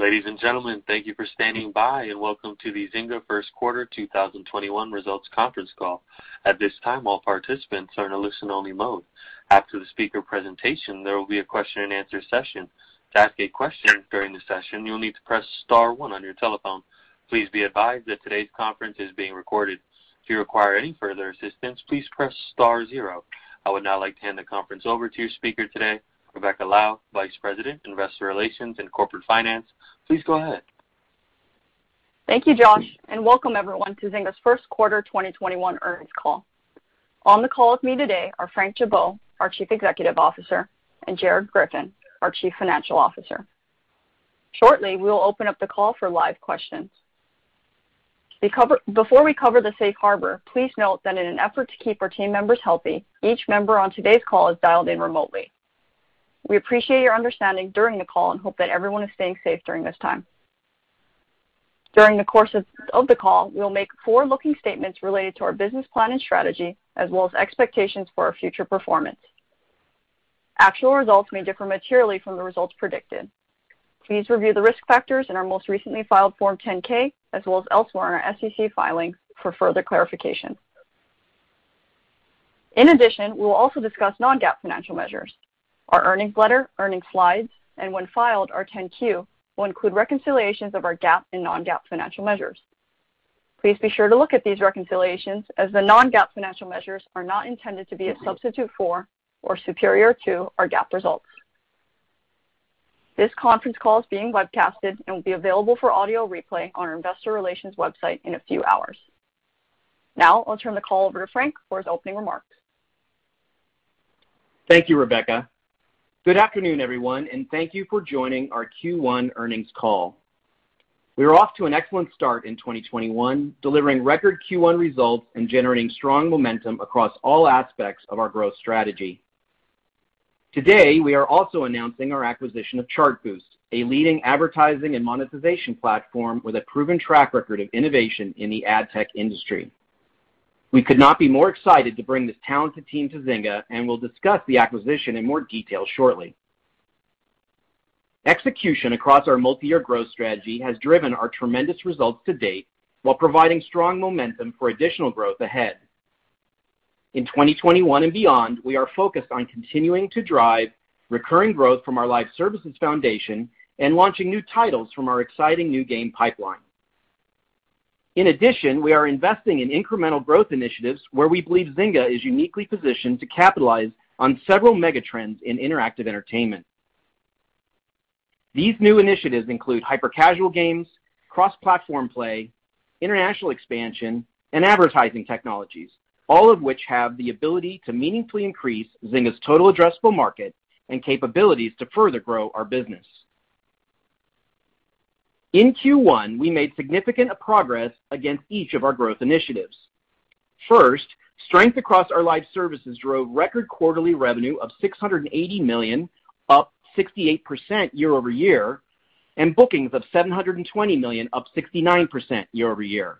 Ladies and gentlemen, thank you for standing by, and welcome to the Zynga First Quarter 2021 Results Conference Call. At this time, all participants are in a listen only mode. After the speaker presentation, there will be a question-and-answer session. To ask a question during the session, you'll need to press star one on your telephone. Please be advised that today's conference is being recorded. If you require any further assistance, please press star zero. I would now like to hand the conference over to your speaker today, Rebecca Lau, Vice President, Investor Relations and Corporate Finance. Please go ahead. Thank you, Josh. Welcome everyone to Zynga's first quarter 2021 earnings call. On the call with me today are Frank Gibeau, our Chief Executive Officer, and Gerard Griffin, our Chief Financial Officer. Shortly, we'll open up the call for live questions. Before we cover the safe harbor, please note that in an effort to keep our team members healthy, each member on today's call is dialed in remotely. We appreciate your understanding during the call. Hope that everyone is staying safe during this time. During the course of the call, we will make forward-looking statements related to our business plan and strategy, as well as expectations for our future performance. Actual results may differ materially from the results predicted. Please review the risk factors in our most recently filed Form 10-K, as well as elsewhere in our SEC filings for further clarification. In addition, we will also discuss non-GAAP financial measures. Our earnings letter, earnings slides, and when filed, our 10-Q will include reconciliations of our GAAP and non-GAAP financial measures. Please be sure to look at these reconciliations as the non-GAAP financial measures are not intended to be a substitute for or superior to our GAAP results. This conference call is being webcasted and will be available for audio replay on our investor relations website in a few hours. Now, I'll turn the call over to Frank for his opening remarks. Thank you, Rebecca. Good afternoon, everyone, and thank you for joining our Q1 earnings call. We are off to an excellent start in 2021, delivering record Q1 results and generating strong momentum across all aspects of our growth strategy. Today, we are also announcing our acquisition of Chartboost, a leading advertising and monetization platform with a proven track record of innovation in the ad tech industry. We could not be more excited to bring this talented team to Zynga, and we'll discuss the acquisition in more detail shortly. Execution across our multi-year growth strategy has driven our tremendous results to date, while providing strong momentum for additional growth ahead. In 2021 and beyond, we are focused on continuing to drive recurring growth from our live services foundation and launching new titles from our exciting new game pipeline. We are investing in incremental growth initiatives where we believe Zynga is uniquely positioned to capitalize on several mega trends in interactive entertainment. These new initiatives include hyper-casual games, cross-platform play, international expansion, and advertising technologies, all of which have the ability to meaningfully increase Zynga's total addressable market and capabilities to further grow our business. In Q1, we made significant progress against each of our growth initiatives. Strength across our live services drove record quarterly revenue of $680 million, up 68% year-over-year, and bookings of $720 million, up 69% year-over-year.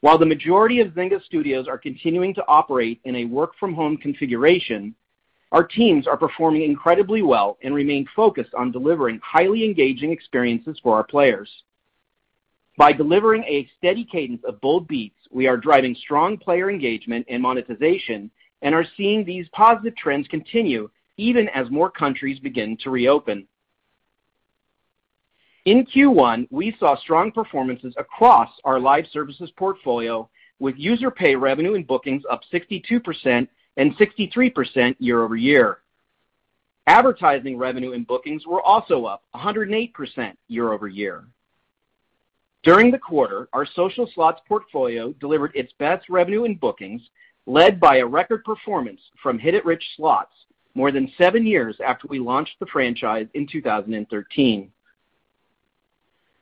While the majority of Zynga studios are continuing to operate in a work from home configuration, our teams are performing incredibly well and remain focused on delivering highly engaging experiences for our players. By delivering a steady cadence of bold beats, we are driving strong player engagement and monetization and are seeing these positive trends continue even as more countries begin to reopen. In Q1, we saw strong performances across our live services portfolio with user pay revenue and bookings up 62% and 63% year-over-year. Advertising revenue and bookings were also up 108% year-over-year. During the quarter, our social slots portfolio delivered its best revenue in bookings, led by a record performance from Hit It Rich! more than seven years after we launched the franchise in 2013.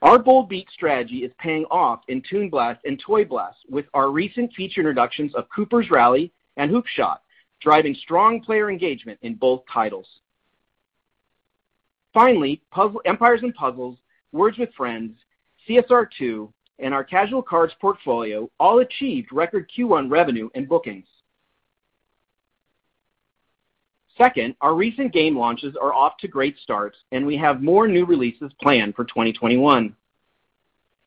Our bold beat strategy is paying off in Toon Blast and Toy Blast with our recent feature introductions of Cooper's Rally and Hoop Shot, driving strong player engagement in both titles. Finally, Empires & Puzzles, Words With Friends, CSR2, and our Casual Cards portfolio all achieved record Q1 revenue and bookings. Second, our recent game launches are off to great starts, and we have more new releases planned for 2021.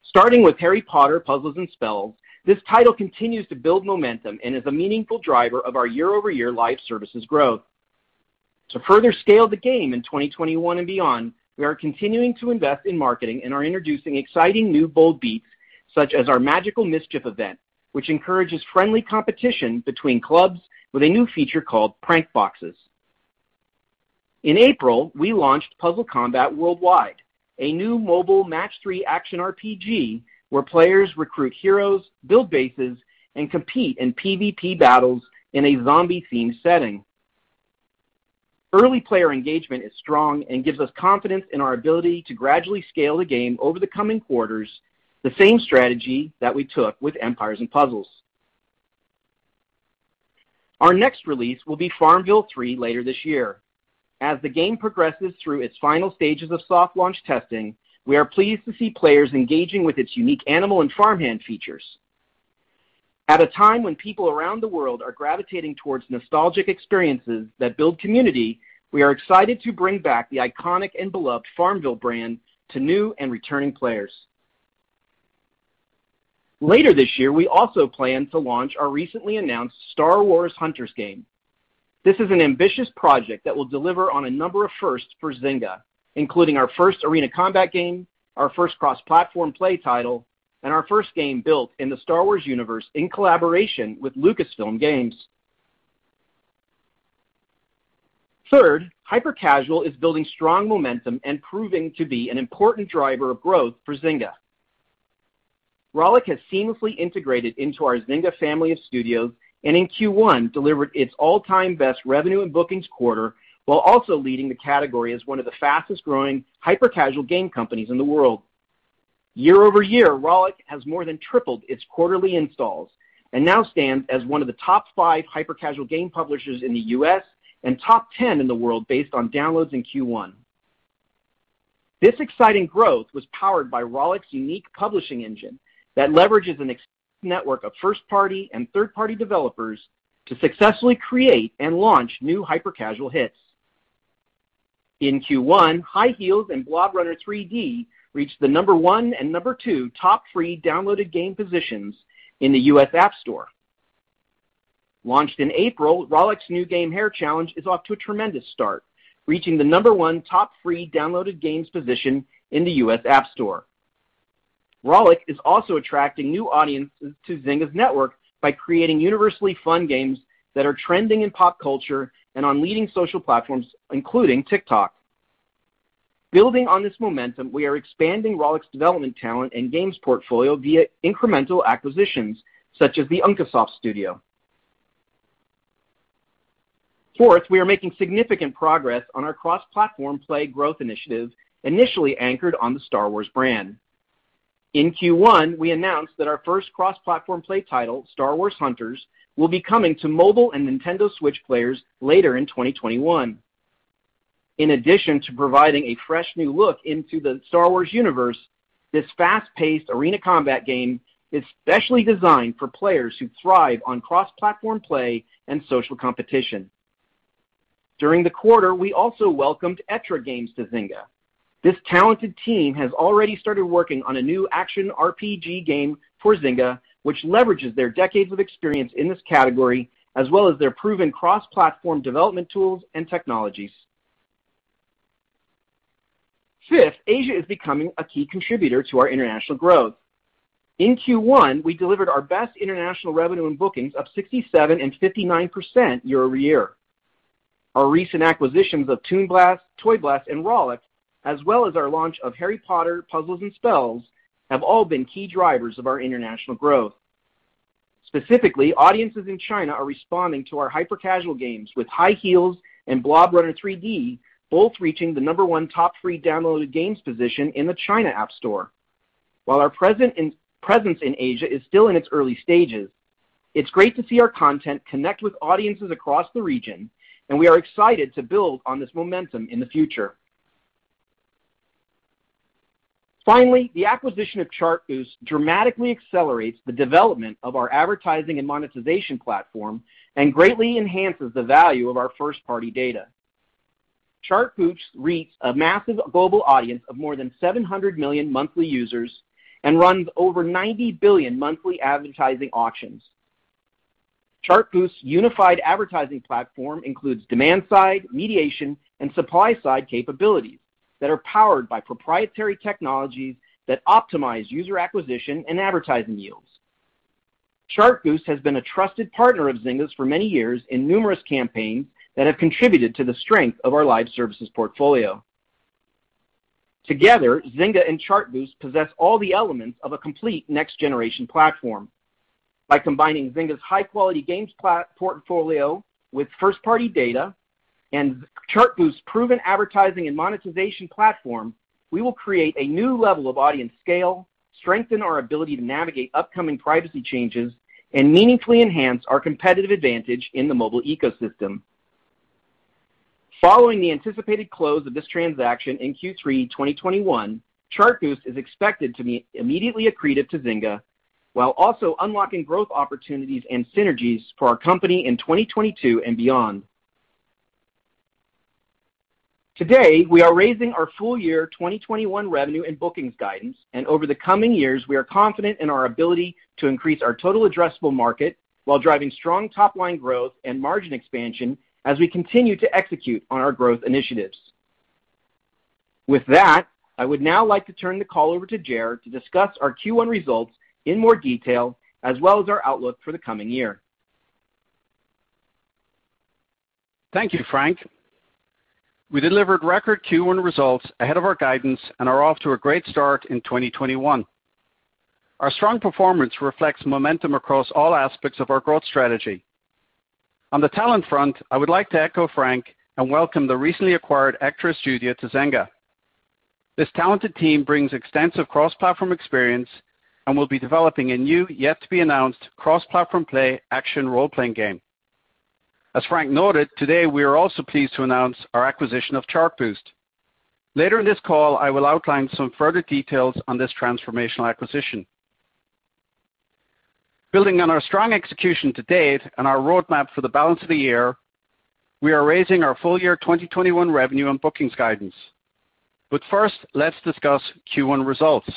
Starting with Harry Potter: Puzzles & Spells, this title continues to build momentum and is a meaningful driver of our year-over-year live services growth. To further scale the game in 2021 and beyond, we are continuing to invest in marketing and are introducing exciting new bold beats such as our Magical Mischief event, which encourages friendly competition between clubs with a new feature called Prank Boxes. In April, we launched Puzzle Combat worldwide, a new mobile match-3 action RPG where players recruit heroes, build bases, and compete in PvP battles in a zombie-themed setting. Early player engagement is strong and gives us confidence in our ability to gradually scale the game over the coming quarters, the same strategy that we took with Empires & Puzzles. Our next release will be FarmVille 3 later this year. As the game progresses through its final stages of soft launch testing, we are pleased to see players engaging with its unique animal and farmhand features. At a time when people around the world are gravitating towards nostalgic experiences that build community, we are excited to bring back the iconic and beloved FarmVille brand to new and returning players. Later this year, we also plan to launch our recently announced Star Wars: Hunters game. This is an ambitious project that will deliver on a number of firsts for Zynga, including our first arena combat game, our first cross-platform play title, and our first game built in the Star Wars universe in collaboration with Lucasfilm Games. Third, hyper-casual is building strong momentum and proving to be an important driver of growth for Zynga. Rollic has seamlessly integrated into our Zynga family of studios, and in Q1, delivered its all-time best revenue and bookings quarter, while also leading the category as one of the fastest-growing hyper-casual game companies in the world. Year-over-year, Rollic has more than tripled its quarterly installs and now stands as one of the top five hyper-casual game publishers in the U.S. and top 10 in the world based on downloads in Q1. This exciting growth was powered by Rollic's unique publishing engine that leverages an extensive network of first-party and third-party developers to successfully create and launch new hyper-casual hits. In Q1, High Heels and Blob Runner 3D reached the number one and number two top free downloaded game positions in the U.S. App Store. Launched in April, Rollic's new game, Hair Challenge, is off to a tremendous start, reaching the number one top free downloaded games position in the U.S. App Store. Rollic is also attracting new audiences to Zynga's network by creating universally fun games that are trending in pop culture and on leading social platforms, including TikTok. Building on this momentum, we are expanding Rollic's development talent and games portfolio via incremental acquisitions, such as the Uncosoft studio. Fourth, we are making significant progress on our cross-platform play growth initiative, initially anchored on the Star Wars brand. In Q1, we announced that our first cross-platform play title, Star Wars: Hunters, will be coming to mobile and Nintendo Switch players later in 2021. In addition to providing a fresh new look into the Star Wars universe, this fast-paced arena combat game is specially designed for players who thrive on cross-platform play and social competition. During the quarter, we also welcomed Echtra Games to Zynga. This talented team has already started working on a new action RPG game for Zynga, which leverages their decades of experience in this category, as well as their proven cross-platform development tools and technologies. Fifth, Asia is becoming a key contributor to our international growth. In Q1, we delivered our best international revenue and bookings of 67% and 59% year-over-year. Our recent acquisitions of Toon Blast, Toy Blast, and Rollic, as well as our launch of Harry Potter: Puzzles & Spells, have all been key drivers of our international growth. Specifically, audiences in China are responding to our hyper-casual games, with High Heels and Blob Runner 3D both reaching the number one top free downloaded games position in the China App Store. While our presence in Asia is still in its early stages, it's great to see our content connect with audiences across the region, and we are excited to build on this momentum in the future. Finally, the acquisition of Chartboost dramatically accelerates the development of our advertising and monetization platform and greatly enhances the value of our first-party data. Chartboost reached a massive global audience of more than 700 million monthly users and runs over 90 billion monthly advertising auctions. Chartboost's unified advertising platform includes demand-side, mediation, and supply-side capabilities that are powered by proprietary technologies that optimize user acquisition and advertising yields. Chartboost has been a trusted partner of Zynga's for many years in numerous campaigns that have contributed to the strength of our live services portfolio. Together, Zynga and Chartboost possess all the elements of a complete next-generation platform. By combining Zynga's high-quality games portfolio with first-party data and Chartboost's proven advertising and monetization platform, we will create a new level of audience scale, strengthen our ability to navigate upcoming privacy changes, and meaningfully enhance our competitive advantage in the mobile ecosystem. Following the anticipated close of this transaction in Q3 2021, Chartboost is expected to be immediately accretive to Zynga, while also unlocking growth opportunities and synergies for our company in 2022 and beyond. Today, we are raising our full year 2021 revenue and bookings guidance, and over the coming years, we are confident in our ability to increase our total addressable market while driving strong top-line growth and margin expansion as we continue to execute on our growth initiatives. With that, I would now like to turn the call over to Gerard to discuss our Q1 results in more detail, as well as our outlook for the coming year. Thank you, Frank. We delivered record Q1 results ahead of our guidance and are off to a great start in 2021. Our strong performance reflects momentum across all aspects of our growth strategy. On the talent front, I would like to echo Frank and welcome the recently acquired Echtra studio to Zynga. This talented team brings extensive cross-platform experience and will be developing a new, yet to be announced, cross-platform play action role-playing game. As Frank noted, today we are also pleased to announce our acquisition of Chartboost. Later in this call, I will outline some further details on this transformational acquisition. Building on our strong execution to date and our roadmap for the balance of the year, we are raising our full year 2021 revenue and bookings guidance. First, let's discuss Q1 results.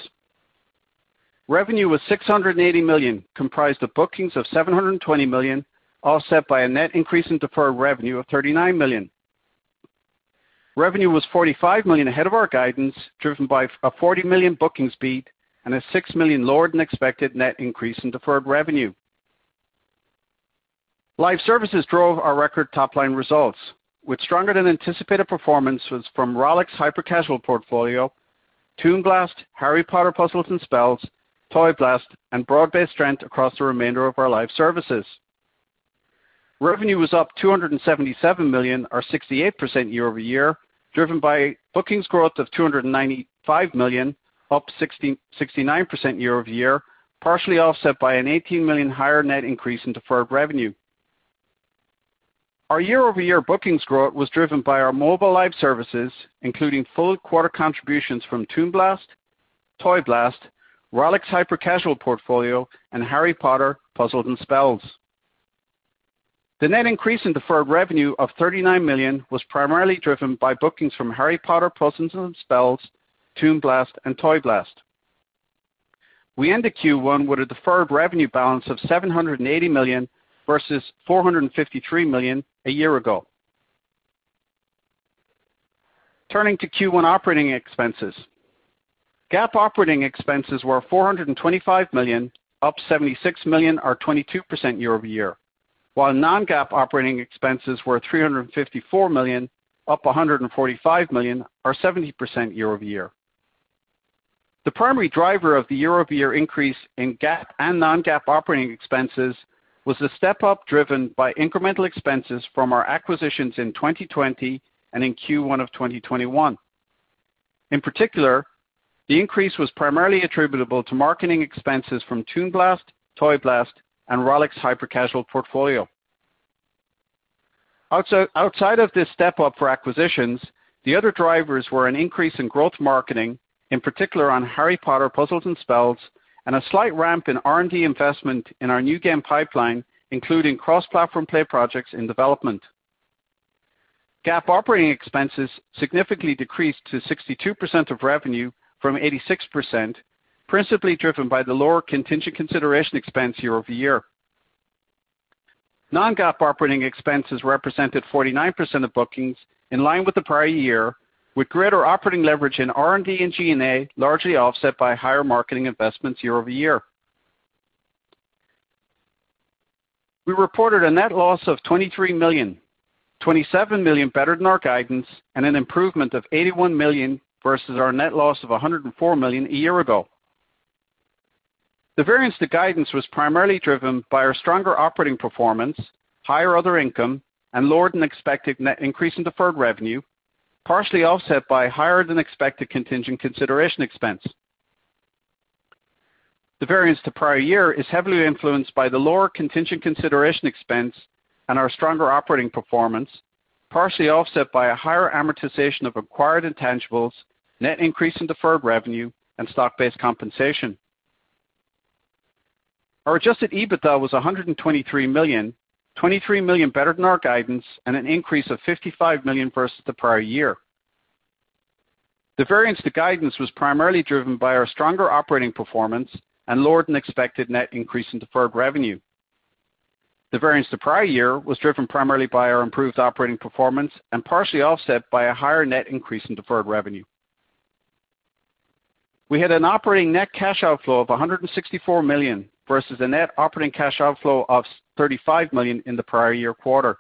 Revenue was $680 million, comprised of bookings of $720 million, offset by a net increase in deferred revenue of $39 million. Revenue was $45 million ahead of our guidance, driven by a $40 million bookings beat and a $6 million lower than expected net increase in deferred revenue. Live services drove our record top-line results, with stronger than anticipated performances from Rollic's hyper-casual portfolio, Toon Blast, Harry Potter: Puzzles & Spells, Toy Blast, and broad-based strength across the remainder of our live services. Revenue was up $277 million or 68% year-over-year, driven by bookings growth of $295 million, up 69% year-over-year, partially offset by an $18 million higher net increase in deferred revenue. Our year-over-year bookings growth was driven by our mobile live services, including full quarter contributions from Toon Blast, Toy Blast, Rollic's hyper-casual portfolio, and Harry Potter: Puzzles & Spells. The net increase in deferred revenue of $39 million was primarily driven by bookings from Harry Potter: Puzzles & Spells, Toon Blast, and Toy Blast. We end the Q1 with a deferred revenue balance of $780 million versus $453 million a year ago. Turning to Q1 operating expenses. GAAP operating expenses were $425 million, up $76 million or 22% year-over-year, while non-GAAP operating expenses were $354 million, up $145 million or 70% year-over-year. The primary driver of the year-over-year increase in GAAP and non-GAAP operating expenses was the step-up driven by incremental expenses from our acquisitions in 2020 and in Q1 of 2021. In particular, the increase was primarily attributable to marketing expenses from Toon Blast, Toy Blast, and Rollic's hyper-casual portfolio. Outside of this step-up for acquisitions, the other drivers were an increase in growth marketing, in particular on Harry Potter: Puzzles & Spells, and a slight ramp in R&D investment in our new game pipeline, including cross-platform play projects in development. GAAP operating expenses significantly decreased to 62% of revenue from 86%, principally driven by the lower contingent consideration expense year-over-year. Non-GAAP operating expenses represented 49% of bookings, in line with the prior year, with greater operating leverage in R&D and G&A, largely offset by higher marketing investments year-over-year. We reported a net loss of $23 million, $27 million better than our guidance and an improvement of $81 million versus our net loss of $104 million a year ago. The variance to guidance was primarily driven by our stronger operating performance, higher other income, and lower than expected net increase in deferred revenue, partially offset by higher than expected contingent consideration expense. The variance to prior year is heavily influenced by the lower contingent consideration expense and our stronger operating performance, partially offset by a higher amortization of acquired intangibles, net increase in deferred revenue and stock-based compensation. Our adjusted EBITDA was $123 million, $23 million better than our guidance and an increase of $55 million versus the prior year. The variance to guidance was primarily driven by our stronger operating performance and lower than expected net increase in deferred revenue. The variance to prior year was driven primarily by our improved operating performance and partially offset by a higher net increase in deferred revenue. We had an operating net cash outflow of $164 million versus a net operating cash outflow of $35 million in the prior year quarter.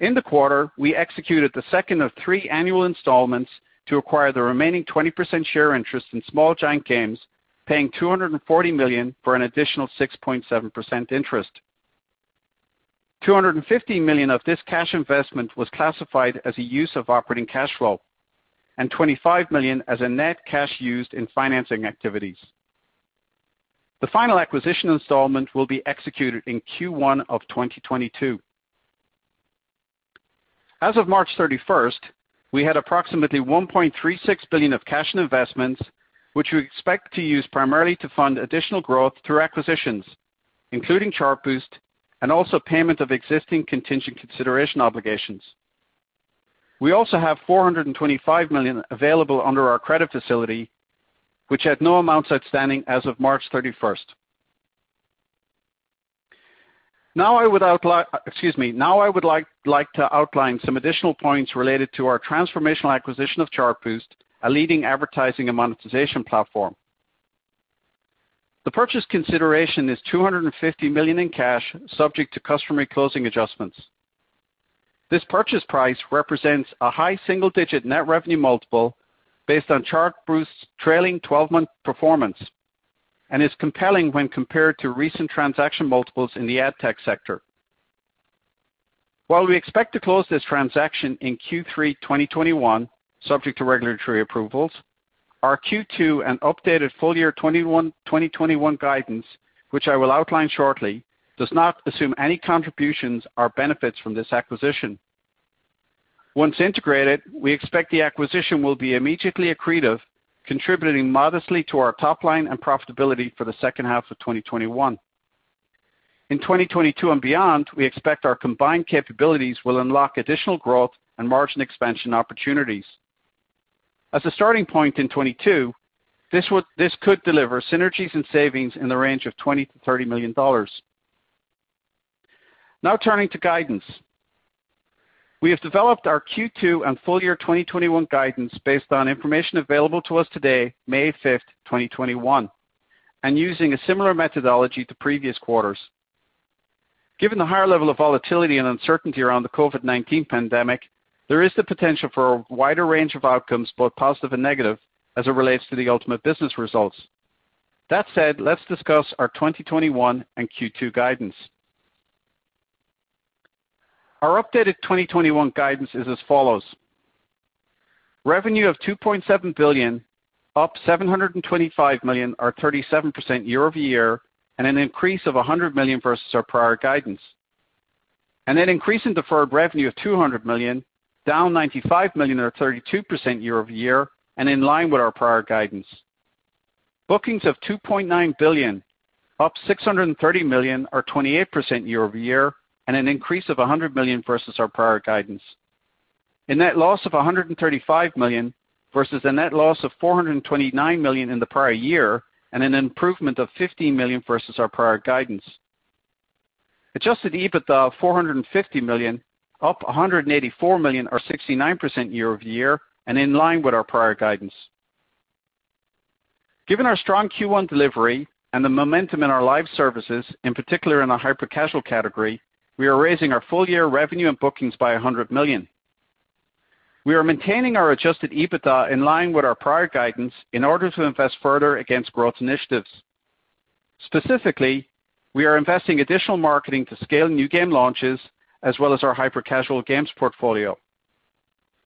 In the quarter, we executed the second of three annual installments to acquire the remaining 20% share interest in Small Giant Games, paying $240 million for an additional 6.7% interest. $250 million of this cash investment was classified as a use of operating cash flow and $25 million as a net cash used in financing activities. The final acquisition installment will be executed in Q1 of 2022. As of March 31st, we had approximately $1.36 billion of cash and investments, which we expect to use primarily to fund additional growth through acquisitions, including Chartboost and also payment of existing contingent consideration obligations. We also have $425 million available under our credit facility, which had no amounts outstanding as of March 31st. Now I would like to outline some additional points related to our transformational acquisition of Chartboost, a leading advertising and monetization platform. The purchase consideration is $250 million in cash, subject to customary closing adjustments. This purchase price represents a high single-digit net revenue multiple based on Chartboost's trailing 12-month performance and is compelling when compared to recent transaction multiples in the ad tech sector. While we expect to close this transaction in Q3 2021, subject to regulatory approvals, our Q2 and updated full year 2021 guidance, which I will outline shortly, does not assume any contributions or benefits from this acquisition. Once integrated, we expect the acquisition will be immediately accretive, contributing modestly to our top line and profitability for the second half of 2021. In 2022 and beyond, we expect our combined capabilities will unlock additional growth and margin expansion opportunities. As a starting point in 2022, this could deliver synergies and savings in the range of $20 million-$30 million. Now turning to guidance. We have developed our Q2 and full year 2021 guidance based on information available to us today, May 5th, 2021, and using a similar methodology to previous quarters. Given the higher level of volatility and uncertainty around the COVID-19 pandemic, there is the potential for a wider range of outcomes, both positive and negative, as it relates to the ultimate business results. That said, let's discuss our 2021 and Q2 guidance. Our updated 2021 guidance is as follows. Revenue of $2.7 billion, up $725 million, or 37% year-over-year, and an increase of $100 million versus our prior guidance. A net increase in deferred revenue of $200 million, down $95 million or 32% year-over-year and in line with our prior guidance. Bookings of $2.9 billion, up $630 million or 28% year-over-year, and an increase of $100 million versus our prior guidance. A net loss of $135 million versus a net loss of $429 million in the prior year, and an improvement of $15 million versus our prior guidance. Adjusted EBITDA of $450 million, up $184 million or 69% year-over-year and in line with our prior guidance. Given our strong Q1 delivery and the momentum in our live services, in particular in the hyper-casual category, we are raising our full year revenue and bookings by $100 million. We are maintaining our adjusted EBITDA in line with our prior guidance in order to invest further against growth initiatives. Specifically, we are investing additional marketing to scale new game launches as well as our hyper-casual games portfolio.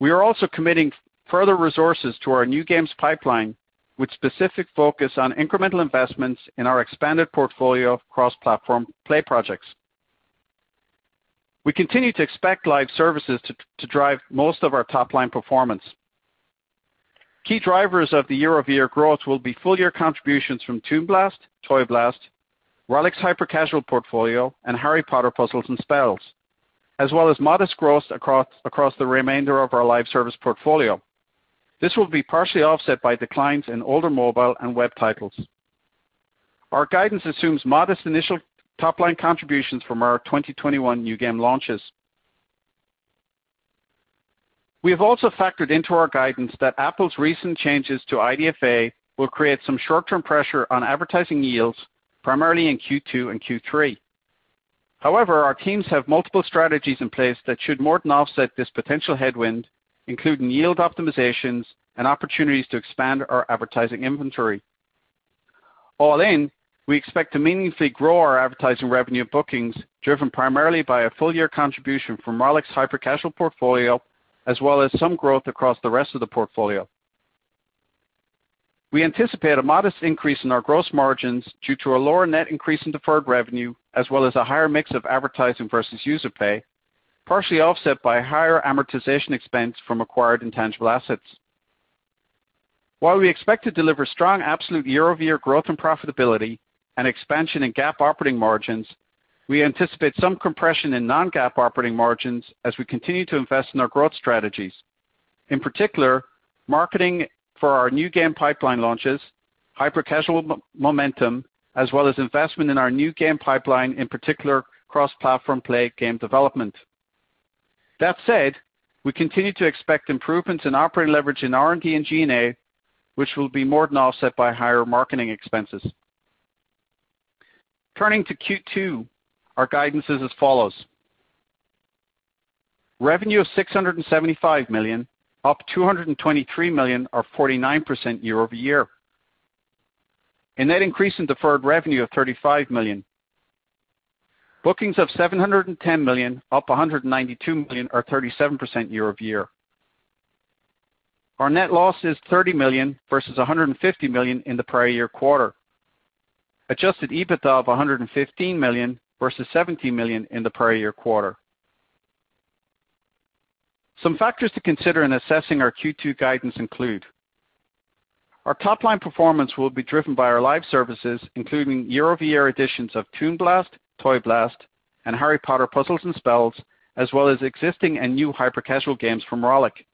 We are also committing further resources to our new games pipeline, with specific focus on incremental investments in our expanded portfolio of cross-platform play projects. We continue to expect live services to drive most of our top line performance. Key drivers of the year-over-year growth will be full year contributions from Toon Blast, Toy Blast, Rollic's hyper-casual portfolio, and Harry Potter: Puzzles & Spells, as well as modest growth across the remainder of our live service portfolio. This will be partially offset by declines in older mobile and web titles. Our guidance assumes modest initial top line contributions from our 2021 new game launches. We have also factored into our guidance that Apple's recent changes to IDFA will create some short-term pressure on advertising yields, primarily in Q2 and Q3. However, our teams have multiple strategies in place that should more than offset this potential headwind, including yield optimizations and opportunities to expand our advertising inventory. All in, we expect to meaningfully grow our advertising revenue bookings, driven primarily by a full year contribution from Rollic's hyper-casual portfolio, as well as some growth across the rest of the portfolio. We anticipate a modest increase in our gross margins due to a lower net increase in deferred revenue, as well as a higher mix of advertising versus user pay, partially offset by higher amortization expense from acquired intangible assets. While we expect to deliver strong absolute year-over-year growth and profitability and expansion in GAAP operating margins, we anticipate some compression in non-GAAP operating margins as we continue to invest in our growth strategies. In particular, marketing for our new game pipeline launches, hyper-casual momentum, as well as investment in our new game pipeline, in particular, cross-platform play game development. That said, we continue to expect improvements in operating leverage in R&D and G&A, which will be more than offset by higher marketing expenses. Turning to Q2, our guidance is as follows. Revenue of $675 million, up $223 million or 49% year-over-year. A net increase in deferred revenue of $35 million. Bookings of $710 million, up $192 million or 37% year-over-year. Our net loss is $30 million versus $150 million in the prior year quarter. Adjusted EBITDA of $115 million versus $70 million in the prior year quarter. Some factors to consider in assessing our Q2 guidance include, our top-line performance will be driven by our live services, including year-over-year additions of Toon Blast, Toy Blast, and Harry Potter: Puzzles & Spells, as well as existing and new hyper-casual games from Rollic.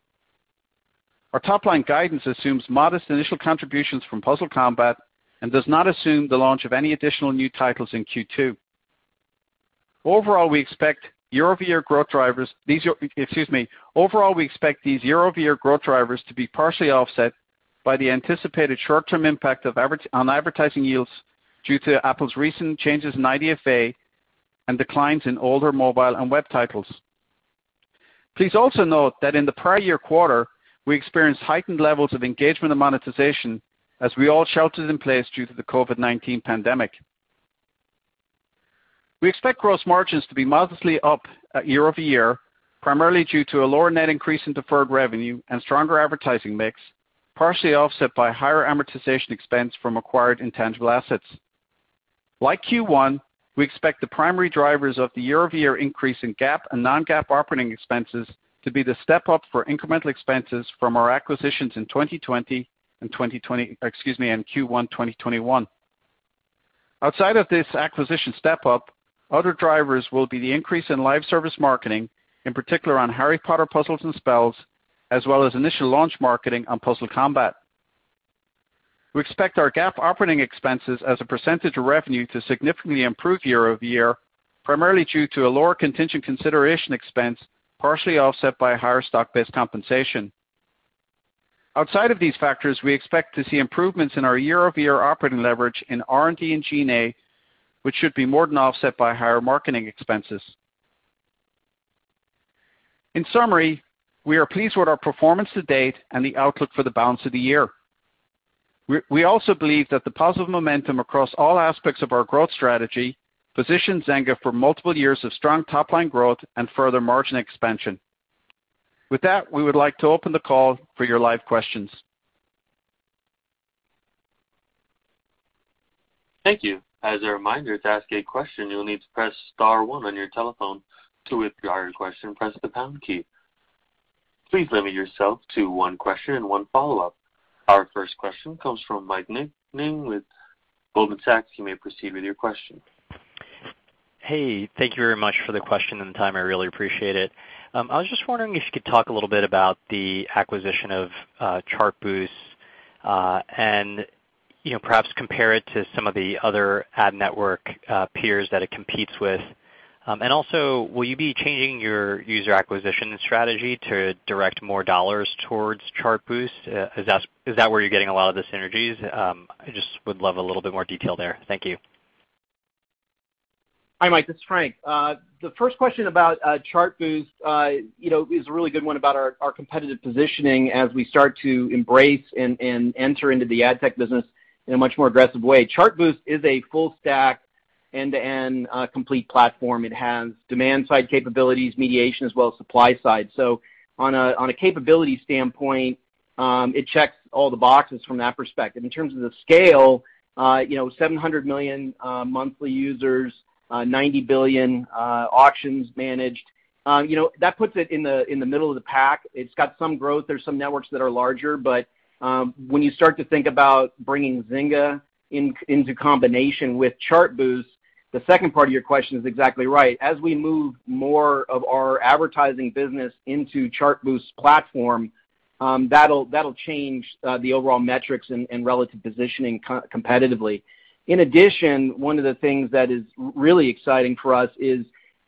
Our top-line guidance assumes modest initial contributions from Puzzle Combat and does not assume the launch of any additional new titles in Q2. Overall, we expect these year-over-year growth drivers to be partially offset by the anticipated short-term impact on advertising yields due to Apple's recent changes in IDFA and declines in older mobile and web titles. Please also note that in the prior year quarter, we experienced heightened levels of engagement and monetization as we all sheltered in place due to the COVID-19 pandemic. We expect gross margins to be modestly up year-over-year, primarily due to a lower net increase in deferred revenue and stronger advertising mix, partially offset by higher amortization expense from acquired intangible assets. Like Q1, we expect the primary drivers of the year-over-year increase in GAAP and non-GAAP operating expenses to be the step-up for incremental expenses from our acquisitions in 2020 and Q1 2021. Outside of this acquisition step-up, other drivers will be the increase in live service marketing, in particular on Harry Potter: Puzzles & Spells, as well as initial launch marketing on Puzzle Combat. We expect our GAAP operating expenses as a percentage of revenue to significantly improve year-over-year, primarily due to a lower contingent consideration expense, partially offset by higher stock-based compensation. Outside of these factors, we expect to see improvements in our year-over-year operating leverage in R&D and G&A, which should be more than offset by higher marketing expenses. In summary, we are pleased with our performance to date and the outlook for the balance of the year. We also believe that the positive momentum across all aspects of our growth strategy positions Zynga for multiple years of strong top-line growth and further margin expansion. With that, we would like to open the call for your live questions. Thank you. As a reminder, to ask a question, you will need to press star one on your telephone. To withdraw your question, press the pound key. Please limit yourself to one question and one follow-up. Our first question comes from Mike Ng with Goldman Sachs. You may proceed with your question. Hey, thank you very much for the question and the time. I really appreciate it. I was just wondering if you could talk a little bit about the acquisition of Chartboost and perhaps compare it to some of the other ad network peers that it competes with. Also, will you be changing your user acquisition strategy to direct more dollars towards Chartboost? Is that where you're getting a lot of the synergies? I just would love a little bit more detail there. Thank you. Hi, Mike. It's Frank. The first question about Chartboost is a really good one about our competitive positioning as we start to embrace and enter into the ad tech business in a much more aggressive way. Chartboost is a full stack, end-to-end complete platform. It has demand-side capabilities, mediation, as well as supply side. On a capability standpoint, it checks all the boxes from that perspective. In terms of the scale, 700 million monthly users, 90 billion auctions managed. That puts it in the middle of the pack. It's got some growth. There's some networks that are larger, but when you start to think about bringing Zynga into combination with Chartboost, the second part of your question is exactly right. As we move more of our advertising business into Chartboost's platform, that'll change the overall metrics and relative positioning competitively. In addition, one of the things that is really exciting for us is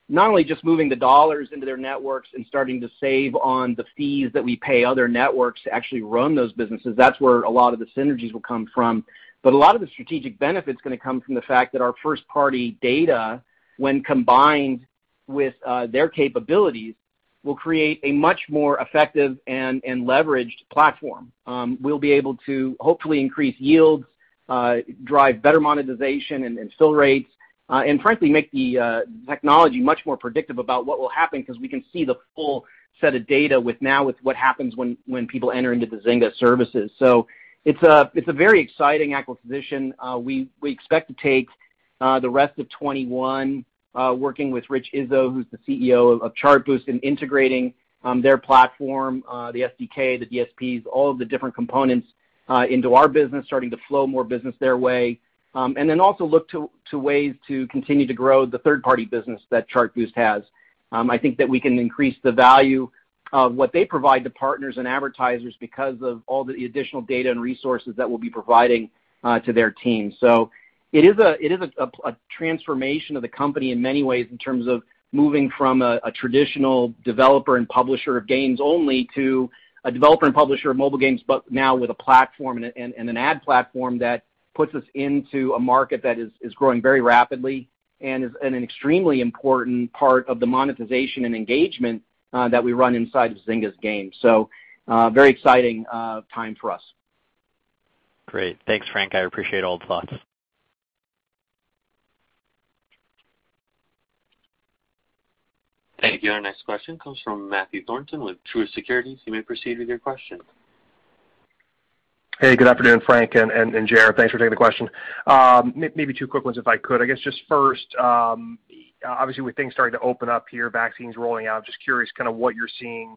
not only just moving the dollars into their networks and starting to save on the fees that we pay other networks to actually run those businesses. That's where a lot of the synergies will come from. A lot of the strategic benefit is going to come from the fact that our first-party data, when combined with their capabilities, will create a much more effective and leveraged platform. We'll be able to hopefully increase yields, drive better monetization and fill rates, and frankly, make the technology much more predictive about what will happen because we can see the full set of data now with what happens when people enter into the Zynga services. It's a very exciting acquisition. We expect to take the rest of 2021 working with Rich Izzo, who's the CEO of Chartboost, in integrating their platform, the SDK, the DSPs, all of the different components into our business, starting to flow more business their way, and then also look to ways to continue to grow the third-party business that Chartboost has. I think that we can increase the value of what they provide to partners and advertisers because of all the additional data and resources that we'll be providing to their team. It is a transformation of the company in many ways in terms of moving from a traditional developer and publisher of games only to a developer and publisher of mobile games, but now with a platform and an ad platform that puts us into a market that is growing very rapidly and is an extremely important part of the monetization and engagement that we run inside of Zynga's game. Very exciting time for us. Great. Thanks, Frank. I appreciate all the thoughts. Thank you. Our next question comes from Matthew Thornton with Truist Securities. You may proceed with your question. Hey, good afternoon, Frank and Gerard. Thanks for taking the question. Maybe two quick ones if I could. I guess just first, obviously with things starting to open up here, vaccines rolling out, just curious what you're seeing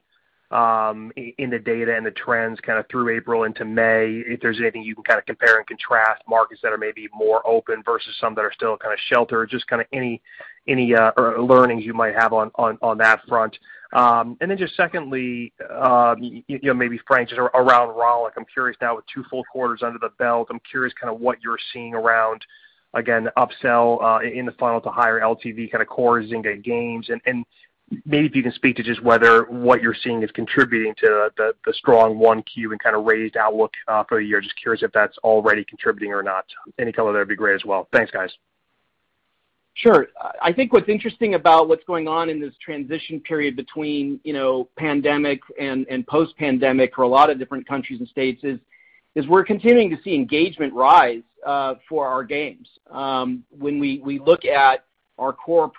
in the data and the trends through April into May, if there's anything you can compare and contrast markets that are maybe more open versus some that are still sheltered, just any learnings you might have on that front. Then just secondly, maybe Frank, just around Rollic, I'm curious now with two full quarters under the belt, I'm curious what you're seeing around, again, upsell in the funnel to higher LTV core Zynga games, and maybe if you can speak to just whether what you're seeing is contributing to the strong 1Q and raised outlook for the year. Just curious if that's already contributing or not. Any color there would be great as well. Thanks, guys. Sure. I think what's interesting about what's going on in this transition period between pandemic and post-pandemic for a lot of different countries and states is, we're continuing to see engagement rise for our games. When we look at our core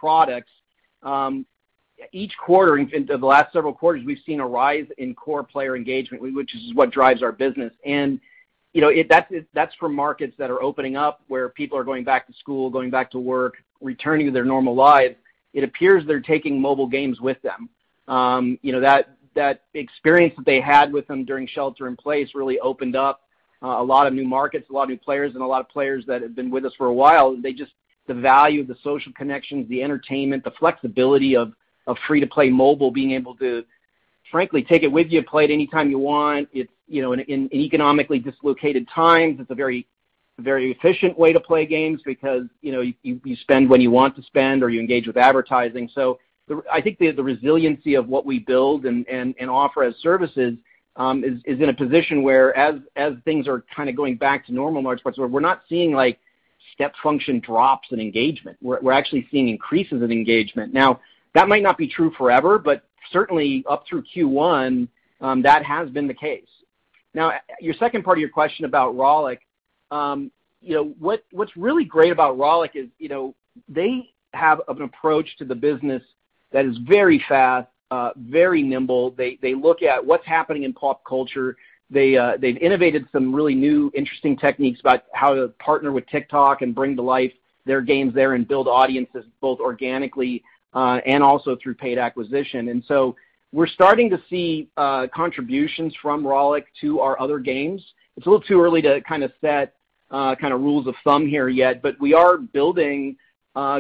products, each quarter, the last several quarters, we've seen a rise in core player engagement, which is what drives our business. That's for markets that are opening up, where people are going back to school, going back to work, returning to their normal lives. It appears they're taking mobile games with them. That experience that they had with them during shelter in place really opened up a lot of new markets, a lot of new players, and a lot of players that have been with us for a while. The value of the social connections, the entertainment, the flexibility of free-to-play mobile, being able to, frankly, take it with you, play it anytime you want. In economically dislocated times, it's a very efficient way to play games because you spend when you want to spend or you engage with advertising. I think the resiliency of what we build and offer as services is in a position where as things are kind of going back to normal in large parts of the world, we're not seeing step function drops in engagement. We're actually seeing increases in engagement. That might not be true forever, but certainly up through Q1, that has been the case. Your second part of your question about Rollic. What's really great about Rollic is they have an approach to the business that is very fast, very nimble. They look at what's happening in pop culture. They've innovated some really new, interesting techniques about how to partner with TikTok and bring to life their games there and build audiences both organically and also through paid acquisition. We're starting to see contributions from Rollic to our other games. It's a little too early to set rules of thumb here yet, but we are building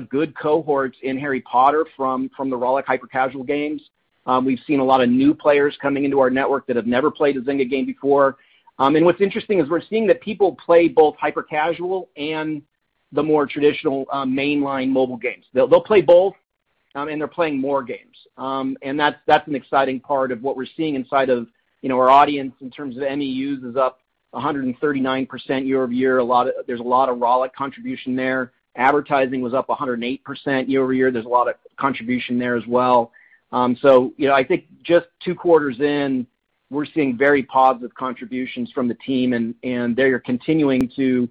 good cohorts in Harry Potter from the Rollic hyper-casual games. We've seen a lot of new players coming into our network that have never played a Zynga game before. What's interesting is we're seeing that people play both hyper-casual and the more traditional mainline mobile games. They'll play both, and they're playing more games. That's an exciting part of what we're seeing inside of our audience in terms of MAUs is up 139% year-over-year. There's a lot of Rollic contribution there. Advertising was up 108% year-over-year. There's a lot of contribution there as well. I think just two quarters in, we're seeing very positive contributions from the team and they are continuing to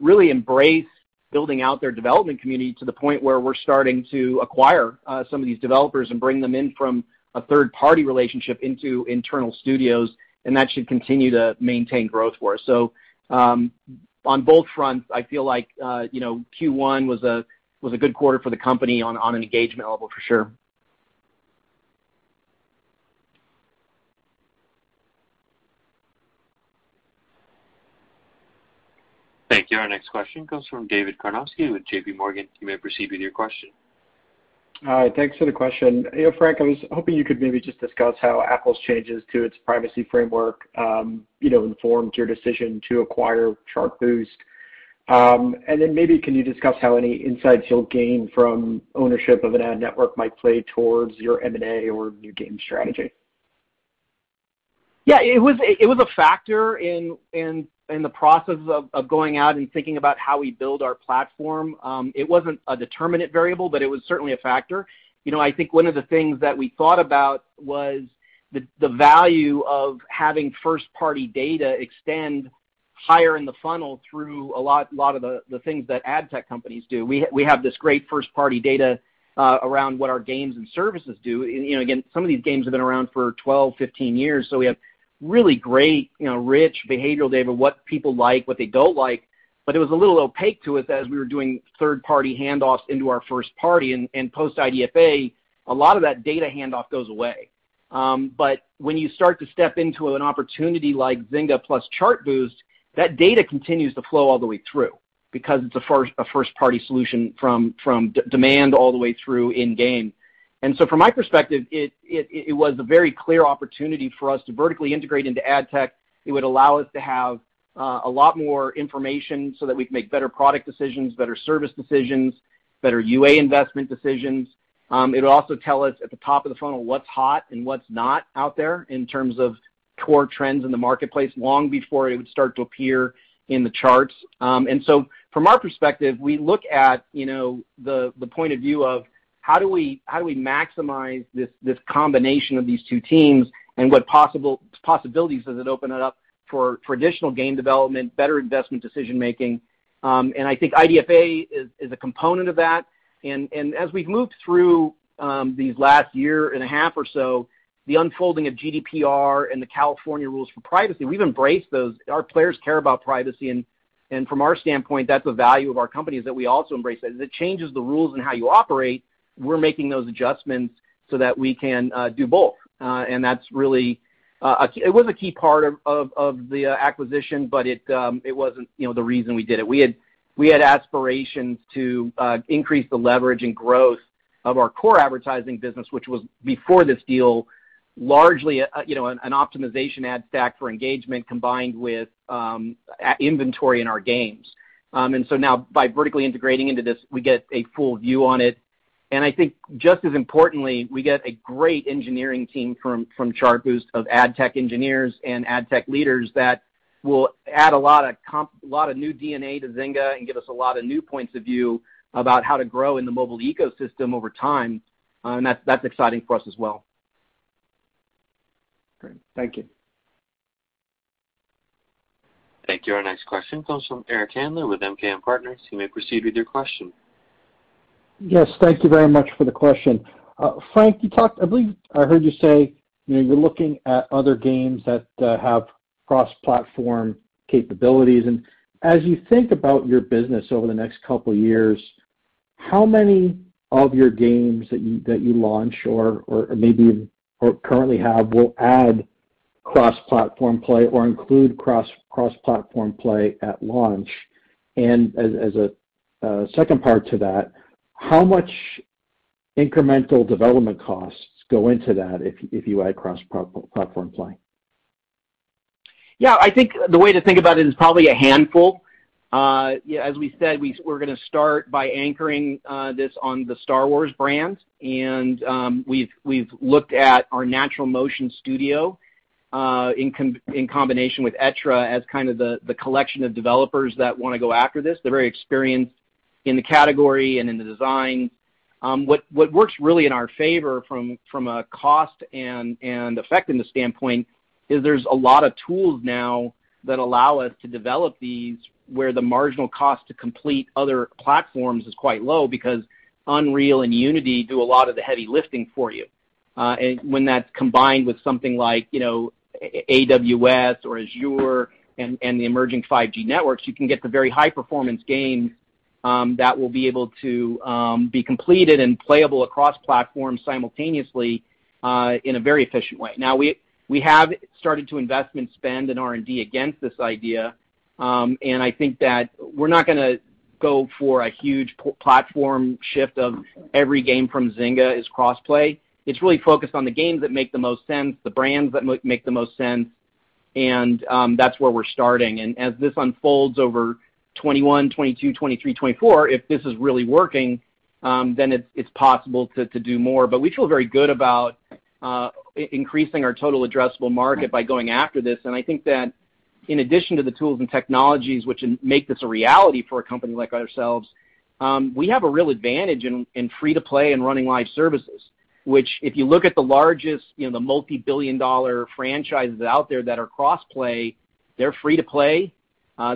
really embrace building out their development community to the point where we're starting to acquire some of these developers and bring them in from a third-party relationship into internal studios, and that should continue to maintain growth for us. On both fronts, I feel like Q1 was a good quarter for the company on an engagement level for sure. Thank you. Our next question comes from David Karnovsky with JPMorgan. You may proceed with your question. Hi, thanks for the question. Frank, I was hoping you could maybe just discuss how Apple's changes to its privacy framework informed your decision to acquire Chartboost. Then maybe can you discuss how any insights you'll gain from ownership of an ad network might play towards your M&A or new game strategy? Yeah, it was a factor in the process of going out and thinking about how we build our platform. It wasn't a determinate variable, but it was certainly a factor. I think one of the things that we thought about was the value of having first-party data extend higher in the funnel through a lot of the things that ad tech companies do. We have this great first-party data around what our games and services do. Again, some of these games have been around for 12, 15 years, so we have really great, rich behavioral data of what people like, what they don't like. But it was a little opaque to us as we were doing third-party handoffs into our first party. Post-IDFA, a lot of that data handoff goes away. When you start to step into an opportunity like Zynga plus Chartboost, that data continues to flow all the way through because it's a first-party solution from demand all the way through in-game. From my perspective, it was a very clear opportunity for us to vertically integrate into ad tech. It would allow us to have a lot more information so that we can make better product decisions, better service decisions, better UA investment decisions. It would also tell us at the top of the funnel what's hot and what's not out there in terms of core trends in the marketplace long before it would start to appear in the charts. From our perspective, we look at the point of view of how do we maximize this combination of these two teams and what possibilities does it open it up for traditional game development, better investment decision-making? I think IDFA is a component of that. As we've moved through these last year and a half or so, the unfolding of GDPR and the California rules for privacy, we've embraced those. Our players care about privacy, and from our standpoint, that's a value of our company is that we also embrace that. As it changes the rules and how you operate, we're making those adjustments so that we can do both. That's really, it was a key part of the acquisition, but it wasn't the reason we did it. We had aspirations to increase the leverage and growth of our core advertising business, which was before this deal, largely an optimization ad stack for engagement combined with inventory in our games. Now by vertically integrating into this, we get a full view on it. I think just as importantly, we get a great engineering team from Chartboost of ad tech engineers and ad tech leaders that will add a lot of new DNA to Zynga and give us a lot of new points of view about how to grow in the mobile ecosystem over time. That's exciting for us as well. Great. Thank you. Thank you. Our next question comes from Eric Handler with MKM Partners. You may proceed with your question. Yes. Thank you very much for the question. Frank, I believe I heard you say you're looking at other games that have cross-platform capabilities. As you think about your business over the next two years, how many of your games that you launch or maybe currently have will add cross-platform play or include cross-platform play at launch? As a second part to that, how much incremental development costs go into that if you add cross-platform play? Yeah, I think the way to think about it is probably a handful. As we said, we're going to start by anchoring this on the Star Wars brand. We've looked at our NaturalMotion studio in combination with Echtra as the collection of developers that want to go after this. They're very experienced in the category and in the design. What works really in our favor from a cost and effectiveness standpoint is there's a lot of tools now that allow us to develop these, where the marginal cost to complete other platforms is quite low because Unreal and Unity do a lot of the heavy lifting for you. When that's combined with something like AWS or Azure and the emerging 5G networks, you can get the very high-performance games that will be able to be completed and playable across platforms simultaneously in a very efficient way. Now, we have started to investment spend in R&D against this idea. I think that we're not going to go for a huge platform shift of every game from Zynga is cross-play. It's really focused on the games that make the most sense, the brands that make the most sense, and that's where we're starting. As this unfolds over 2021, 2022, 2023, 2024, if this is really working, then it's possible to do more. We feel very good about increasing our total addressable market by going after this. I think that in addition to the tools and technologies which make this a reality for a company like ourselves, we have a real advantage in free-to-play and running live services. Which if you look at the largest, the multi-billion dollar franchises out there that are cross-play, they're free to play,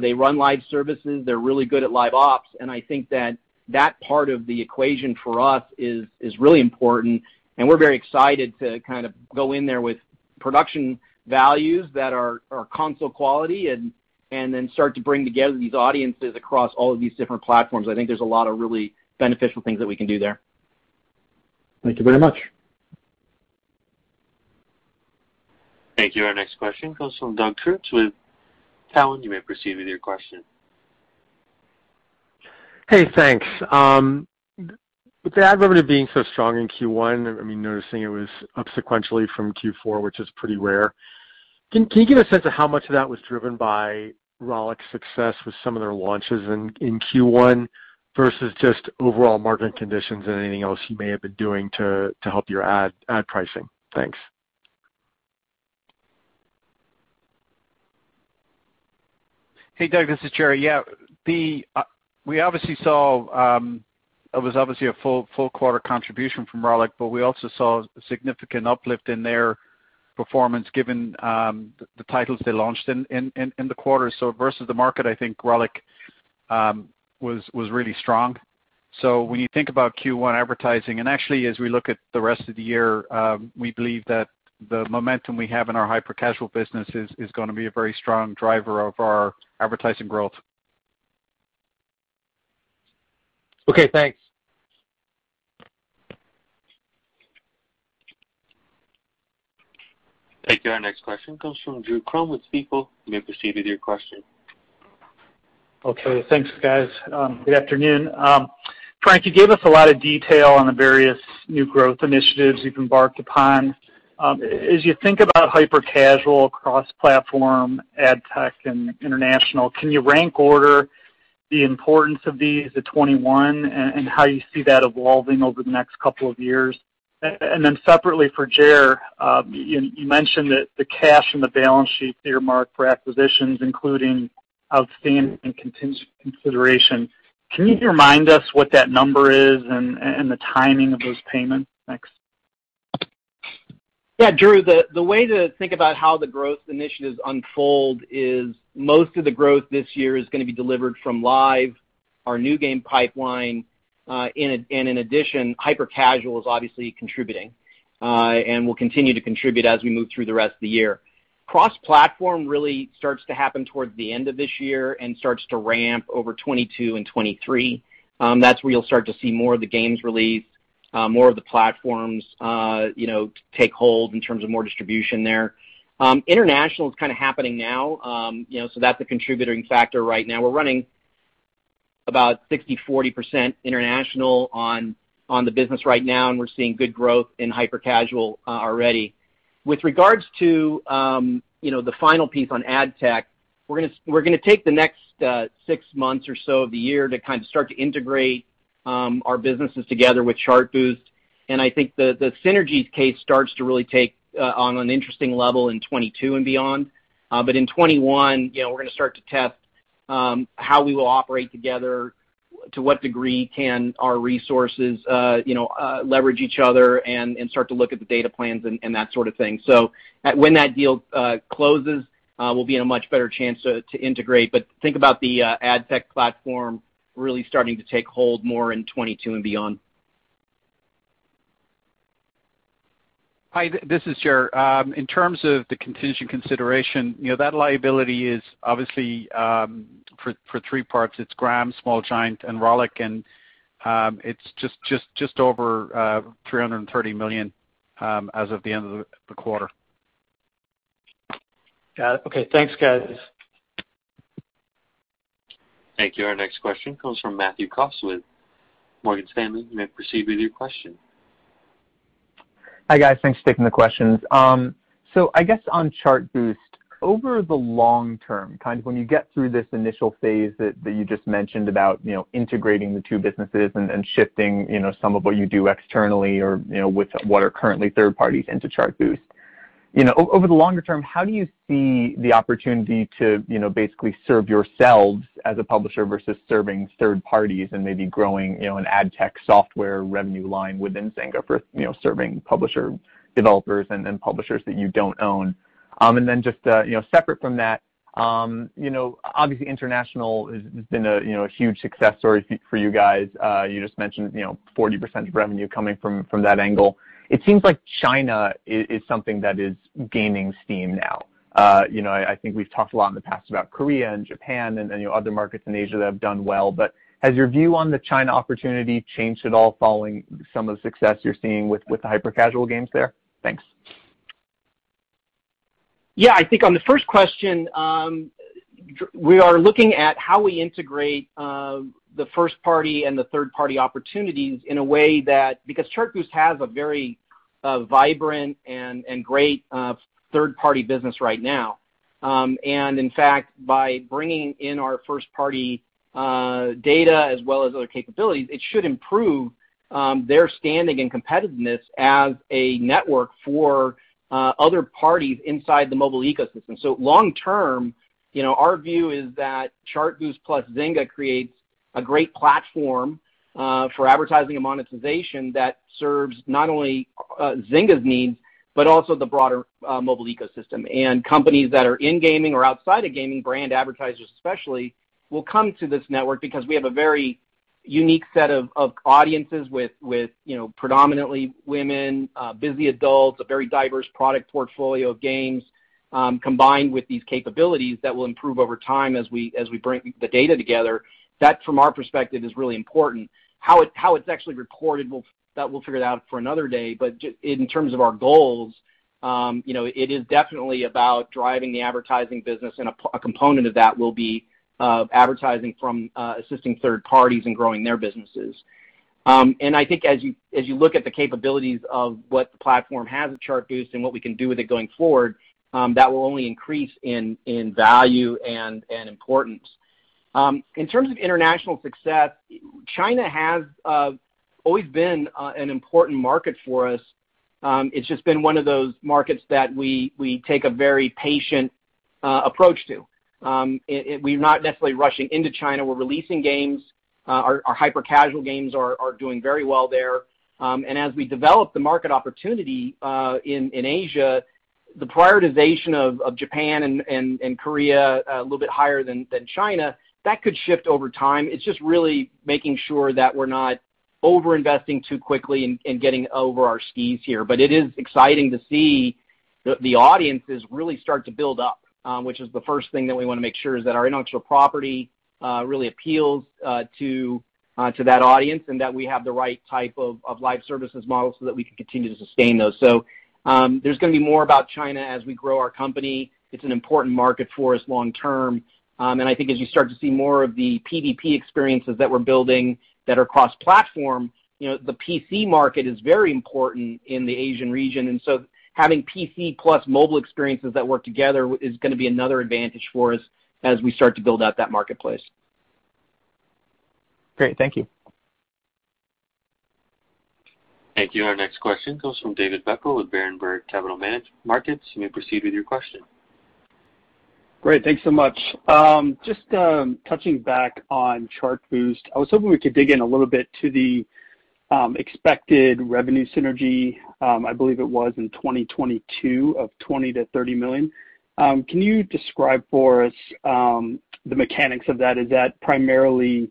they run live services, they're really good at live ops, and I think that that part of the equation for us is really important, and we're very excited to go in there with production values that are console quality and then start to bring together these audiences across all of these different platforms. I think there's a lot of really beneficial things that we can do there. Thank you very much. Thank you. Our next question comes from Doug Creutz with Cowen. You may proceed with your question. Hey, thanks. With the ad revenue being so strong in Q1, I'm noticing it was up sequentially from Q4, which is pretty rare. Can you give a sense of how much of that was driven by Rollic's success with some of their launches in Q1 versus just overall market conditions and anything else you may have been doing to help your ad pricing? Thanks. Hey, Doug, this is Gerard. Yeah. It was obviously a full quarter contribution from Rollic, but we also saw significant uplift in their performance given the titles they launched in the quarter. Versus the market, I think Rollic was really strong. When you think about Q1 advertising, and actually as we look at the rest of the year, we believe that the momentum we have in our hyper-casual business is going to be a very strong driver of our advertising growth. Okay, thanks. Thank you. Our next question comes from Drew Crum with Stifel. You may proceed with your question. Okay. Thanks, guys. Good afternoon. Frank, you gave us a lot of detail on the various new growth initiatives you've embarked upon. As you think about hyper-casual cross-platform ad tech and international, can you rank order the importance of these at 2021 and how you see that evolving over the next couple of years? Separately for Ger, you mentioned that the cash on the balance sheet that you're marked for acquisitions, including outstanding and contingent consideration. Can you remind us what that number is and the timing of those payments? Thanks. Yeah, Drew, the way to think about how the growth initiatives unfold is most of the growth this year is going to be delivered from live, our new game pipeline, and in addition, hyper-casual is obviously contributing, and will continue to contribute as we move through the rest of the year. Cross-platform really starts to happen towards the end of this year and starts to ramp over 2022 and 2023. That's where you'll start to see more of the games released, more of the platforms take hold in terms of more distribution there. International is kind of happening now. That's a contributing factor right now. We're running about 60%-40% international on the business right now, and we're seeing good growth in hyper-casual already. With regards to the final piece on ad tech, we're going to take the next six months or so of the year to start to integrate our businesses together with Chartboost. I think the synergies case starts to really take on an interesting level in 2022 and beyond. In 2021, we're going to start to test how we will operate together, to what degree can our resources leverage each other and start to look at the data plans and that sort of thing. When that deal closes, we'll be in a much better chance to integrate. Think about the ad tech platform really starting to take hold more in 2022 and beyond. Hi, this is Gerard. In terms of the contingent consideration, that liability is obviously for three parts. It's Gram, Small Giant, and Rollic, and it's just over $330 million as of the end of the quarter. Got it. Okay. Thanks, guys. Thank you. Our next question comes from Matthew Cost with Morgan Stanley. You may proceed with your question. Hi, guys. Thanks for taking the questions. I guess on Chartboost, over the long-term, when you get through this initial phase that you just mentioned about integrating the two businesses and shifting some of what you do externally or with what are currently third parties into Chartboost. Over the longer-term, how do you see the opportunity to basically serve yourselves as a publisher versus serving third parties and maybe growing an ad tech software revenue line within Zynga for serving publisher developers and then publishers that you don't own? Just separate from that, obviously international has been a huge success story for you guys. You just mentioned 40% of revenue coming from that angle. It seems like China is something that is gaining steam now. I think we've talked a lot in the past about Korea and Japan and other markets in Asia that have done well. Has your view on the China opportunity changed at all following some of the success you're seeing with the hyper-casual games there? Thanks. Yeah, I think on the first question, we are looking at how we integrate the first party and the third-party opportunities in a way that because Chartboost has a very vibrant and great third-party business right now. In fact, by bringing in our first-party data as well as other capabilities, it should improve their standing and competitiveness as a network for other parties inside the mobile ecosystem. Long-term, our view is that Chartboost plus Zynga creates a great platform for advertising and monetization that serves not only Zynga's needs, but also the broader mobile ecosystem. Companies that are in gaming or outside of gaming brand advertisers especially, will come to this network because we have a very unique set of audiences with predominantly women, busy adults, a very diverse product portfolio of games, combined with these capabilities that will improve over time as we bring the data together. That, from our perspective, is really important. How it's actually recorded, that we'll figure it out for another day. In terms of our goals, it is definitely about driving the advertising business, and a component of that will be advertising from assisting third parties in growing their businesses. I think as you look at the capabilities of what the platform has at Chartboost and what we can do with it going forward, that will only increase in value and importance. In terms of international success, China has always been an important market for us. It's just been one of those markets that we take a very patient approach to. We're not necessarily rushing into China. We're releasing games. Our hyper-casual games are doing very well there. As we develop the market opportunity in Asia, the prioritization of Japan and Korea a little bit higher than China, that could shift over time. It's just really making sure that we're not over-investing too quickly and getting over our skis here. It is exciting to see the audiences really start to build up, which is the first thing that we want to make sure is that our intellectual property really appeals to that audience and that we have the right type of live services model so that we can continue to sustain those. There's going to be more about China as we grow our company. It's an important market for us long-term. I think as you start to see more of the PvP experiences that we're building that are cross-platform, the PC market is very important in the Asian region. Having PC plus mobile experiences that work together is going to be another advantage for us as we start to build out that marketplace. Great. Thank you. Thank you. Our next question comes from David Beckel with Berenberg Capital Markets. You may proceed with your question. Great. Thanks so much. Just touching back on Chartboost, I was hoping we could dig in a little bit to the expected revenue synergy. I believe it was in 2022 of $20 million-$30 million. Can you describe for us the mechanics of that? Is that primarily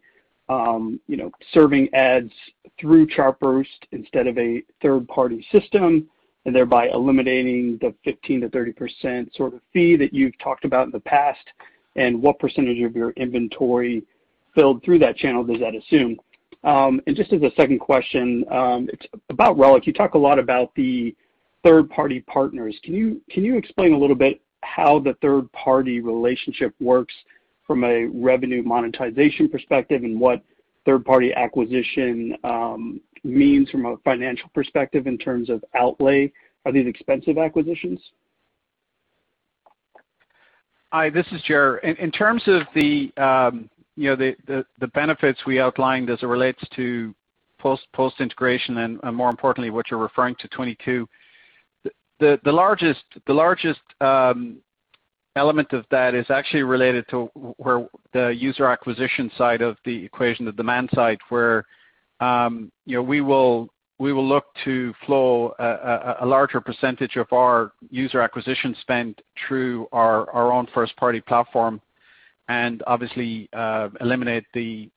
serving ads through Chartboost instead of a third-party system and thereby eliminating the 15%-30% sort of fee that you've talked about in the past? What percentage of your inventory filled through that channel does that assume? Just as a second question, it's about Rollic. You talk a lot about the third-party partners. Can you explain a little bit how the third-party relationship works from a revenue monetization perspective, and what third-party acquisition means from a financial perspective in terms of outlay. Are these expensive acquisitions? Hi, this is Gerard. In terms of the benefits we outlined as it relates to post-integration and, more importantly, what you're referring to, 2022, the largest element of that is actually related to the user acquisition side of the equation, the demand side, where we will look to flow a larger percentage of our user acquisition spend through our own first-party platform, and obviously eliminate the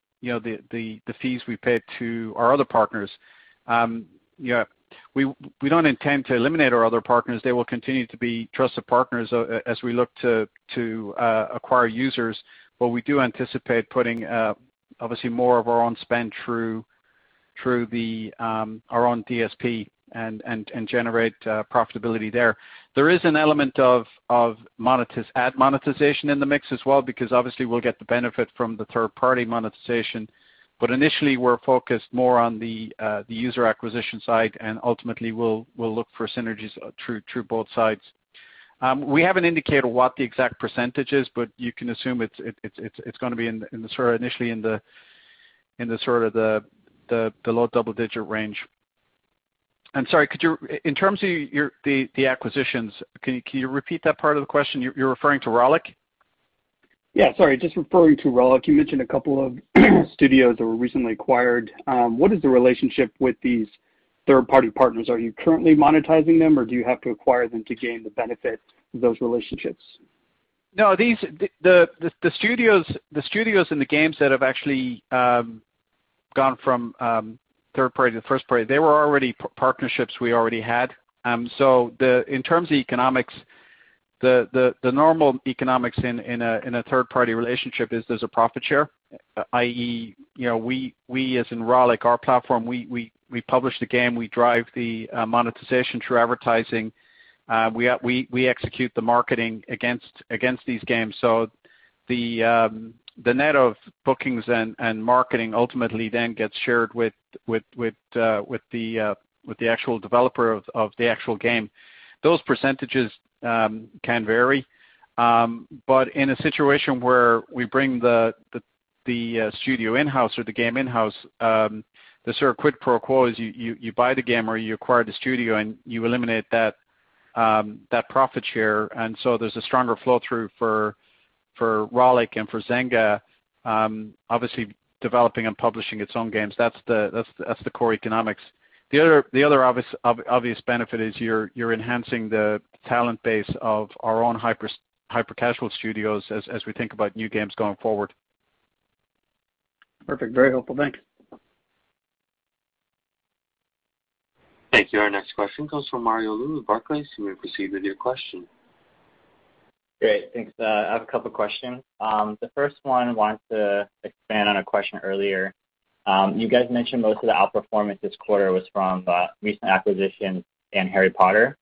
fees we paid to our other partners. We don't intend to eliminate our other partners. They will continue to be trusted partners as we look to acquire users. We do anticipate putting obviously more of our own spend through our own DSP and generate profitability there. There is an element of ad monetization in the mix as well, because obviously we'll get the benefit from the third-party monetization. Initially, we're focused more on the user acquisition side, and ultimately, we'll look for synergies through both sides. We haven't indicated what the exact percentage is, you can assume it's going to be initially in the low double-digit range. I'm sorry, in terms of the acquisitions, can you repeat that part of the question? You're referring to Rollic? Yeah, sorry, just referring to Rollic. You mentioned a couple of studios that were recently acquired. What is the relationship with these third-party partners? Are you currently monetizing them, or do you have to acquire them to gain the benefit of those relationships? The studios and the games that have actually gone from third party to first party, they were partnerships we already had. In terms of the economics, the normal economics in a third-party relationship is there's a profit share, i.e., we, as in Rollic, our platform, we publish the game, we drive the monetization through advertising. We execute the marketing against these games. The net of bookings and marketing ultimately gets shared with the actual developer of the actual game. Those percentages can vary. In a situation where we bring the studio in-house or the game in-house, the quid pro quo is you buy the game or you acquire the studio and you eliminate that profit share, there's a stronger flow-through for Rollic and for Zynga obviously developing and publishing its own games. That's the core economics. The other obvious benefit is you're enhancing the talent base of our own hyper-casual studios as we think about new games going forward. Perfect. Very helpful. Thank you. Thank you. Our next question comes from Mario Lu, Barclays. You may proceed with your question. Great. Thanks. I have a couple questions. The first one, I wanted to expand on a question earlier. You guys mentioned most of the outperformance this quarter was from recent acquisitions and Harry Potter.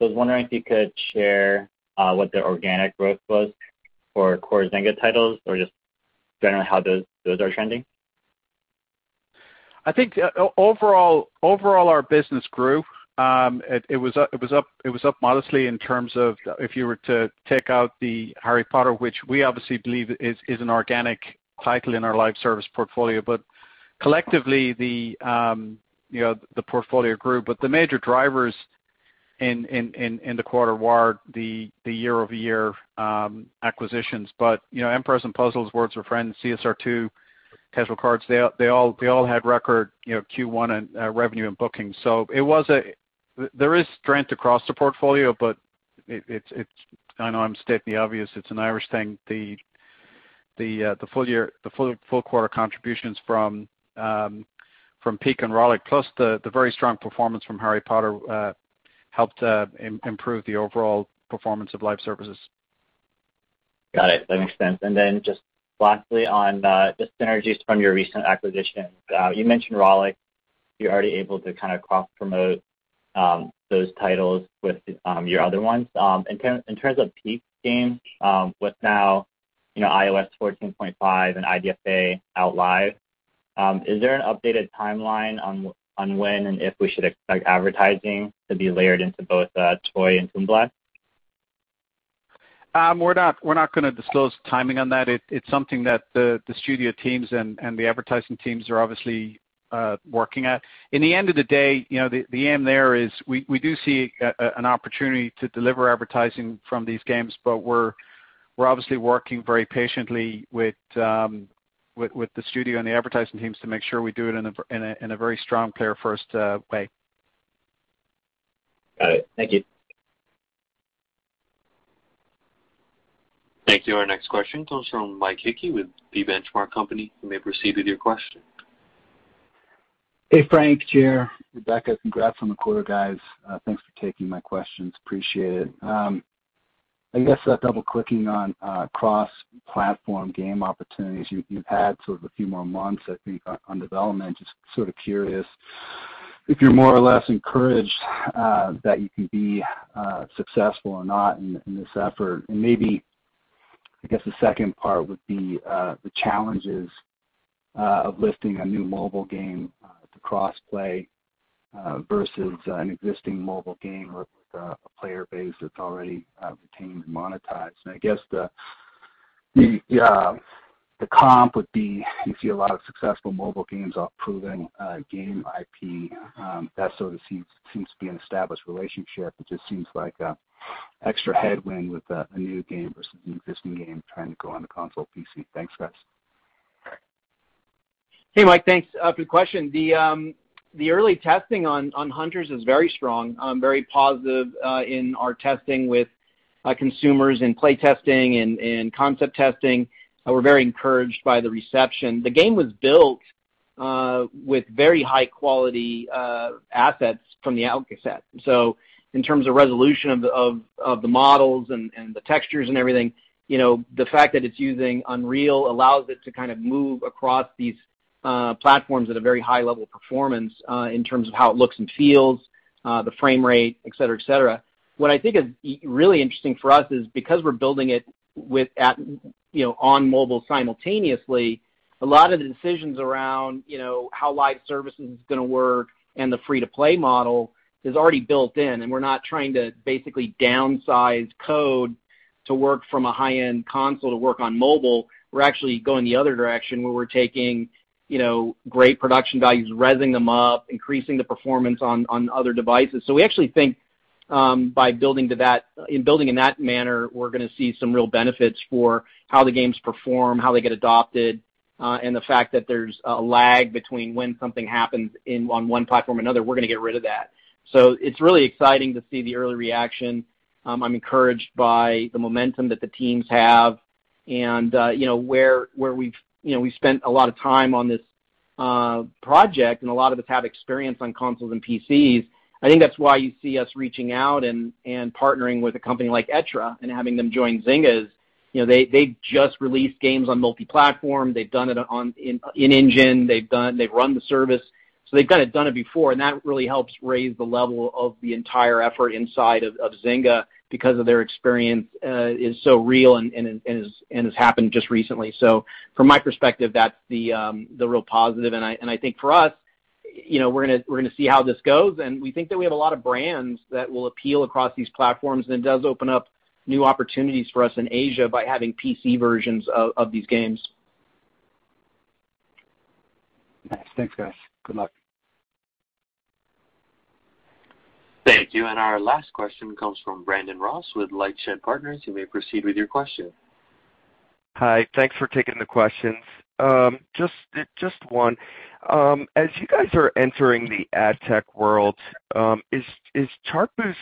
I was wondering if you could share what the organic growth was for core Zynga titles, or just generally how those are trending. I think overall our business grew. It was up modestly in terms of if you were to take out the "Harry Potter," which we obviously believe is an organic title in our live service portfolio. Collectively, the portfolio grew, but the major drivers in the quarter were the year-over-year acquisitions. "Empires & Puzzles," "Words With Friends," "CSR2," "Casual Cards," they all had record Q1 revenue and bookings. There is strength across the portfolio, but I know I'm stating the obvious, it's an Irish thing. The full quarter contributions from Peak and Rollic, plus the very strong performance from "Harry Potter," helped improve the overall performance of live services. Got it. That makes sense. Lastly on the synergies from your recent acquisitions. You mentioned Rollic, you're already able to kind of cross-promote those titles with your other ones. In terms of Peak, with now iOS 14.5 and IDFA out live, is there an updated timeline on when and if we should expect advertising to be layered into both Toy Blast and Toon Blast? We're not going to disclose timing on that. It's something that the studio teams and the advertising teams are obviously working at. In the end of the day, the aim there is we do see an opportunity to deliver advertising from these games, but we're obviously working very patiently with the studio and the advertising teams to make sure we do it in a very strong player-first way. Got it. Thank you. Thank you. Our next question comes from Mike Hickey with The Benchmark Company. You may proceed with your question. Hey, Frank, Gerard, Rebecca, congrats on the quarter, guys. Thanks for taking my questions, appreciate it. I guess double-clicking on cross-platform game opportunities. You've had sort of a few more months, I think, on development. Just sort of curious if you're more or less encouraged that you can be successful or not in this effort. Maybe, I guess the second part would be the challenges of listing a new mobile game to cross-play versus an existing mobile game or with a player base that's already retained and monetized. I guess the comp would be you see a lot of successful mobile games off proven game IP that sort of seems to be an established relationship. It just seems like extra headwind with a new game versus an existing game trying to go on the console PC. Thanks, guys. Hey, Mike. Thanks for the question. The early testing on Hunters is very strong, very positive in our testing with consumers in play testing and in concept testing. We're very encouraged by the reception. The game was built with very high-quality assets from the outset. In terms of resolution of the models and the textures and everything, the fact that it's using Unreal allows it to kind of move across these platforms at a very high level of performance in terms of how it looks and feels, the frame rate, et cetera. What I think is really interesting for us is because we're building it on mobile simultaneously, a lot of the decisions around how live service is going to work and the free-to-play model is already built in, and we're not trying to basically downsize code to work from a high-end console to work on mobile. We're actually going the other direction where we're taking great production values, resing them up, increasing the performance on other devices. We actually think by building in that manner, we're going to see some real benefits for how the games perform, how they get adopted, and the fact that there's a lag between when something happens on one platform or another, we're going to get rid of that. It's really exciting to see the early reaction. I'm encouraged by the momentum that the teams have and where we've spent a lot of time on this project, and a lot of us have experience on consoles and PCs. I think that's why you see us reaching out and partnering with a company like Echtra and having them join Zynga is, they've just released games on multi-platform. They've done it in engine. They've run the service. They've kind of done it before, and that really helps raise the level of the entire effort inside of Zynga because their experience is so real and has happened just recently. From my perspective, that's the real positive, and I think for us, we're going to see how this goes, and we think that we have a lot of brands that will appeal across these platforms, and it does open up new opportunities for us in Asia by having PC versions of these games. Nice. Thanks, guys. Good luck. Thank you. Our last question comes from Brandon Ross with Lightshed Partners. You may proceed with your question. Hi. Thanks for taking the questions. Just one. As you guys are entering the ad tech world, is Chartboost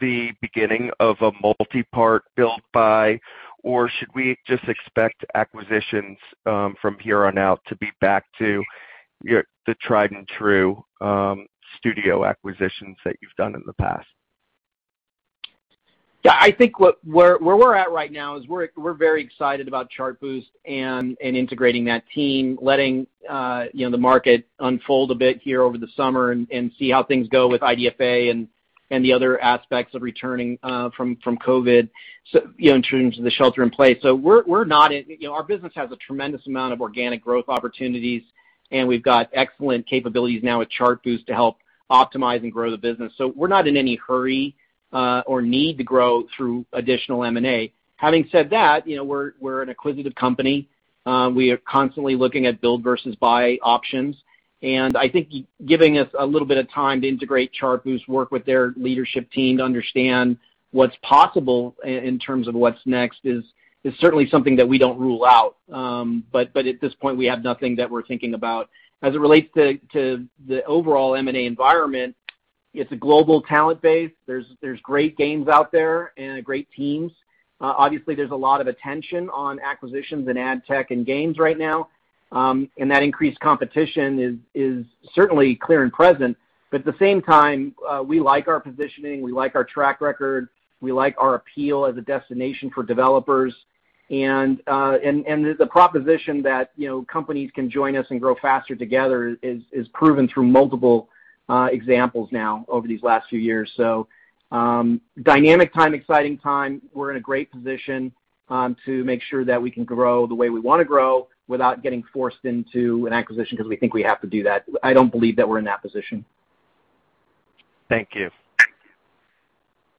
the beginning of a multi-part build by, or should we just expect acquisitions from here on out to be back to the tried and true studio acquisitions that you've done in the past? Yeah, I think where we're at right now is we're very excited about Chartboost and integrating that team, letting the market unfold a bit here over the summer and see how things go with IDFA and the other aspects of returning from COVID. In terms of the shelter in place. Our business has a tremendous amount of organic growth opportunities, and we've got excellent capabilities now with Chartboost to help optimize and grow the business. We're not in any hurry or need to grow through additional M&A. Having said that, we're an acquisitive company. We are constantly looking at build versus buy options, and I think giving us a little bit of time to integrate Chartboost, work with their leadership team to understand what's possible in terms of what's next is certainly something that we don't rule out. At this point, we have nothing that we're thinking about. As it relates to the overall M&A environment, it's a global talent base. There's great games out there and great teams. Obviously, there's a lot of attention on acquisitions and ad tech and games right now. That increased competition is certainly clear and present. At the same time, we like our positioning. We like our track record. We like our appeal as a destination for developers. The proposition that companies can join us and grow faster together is proven through multiple examples now over these last few years. Dynamic time, exciting time. We're in a great position to make sure that we can grow the way we want to grow without getting forced into an acquisition because we think we have to do that. I don't believe that we're in that position. Thank you.